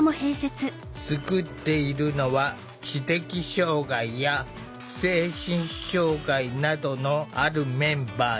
作っているのは知的障害や精神障害などのあるメンバー２０人。